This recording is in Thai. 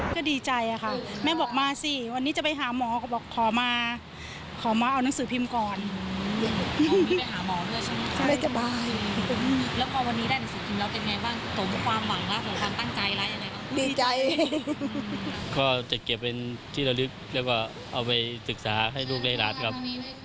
ก็จะเก็บเป็นที่เราลึกแล้วก็เอาไว้ศึกษาให้ลูกเล่นหลานครับ